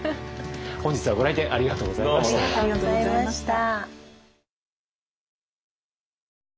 本日はご来店ありがとうございました。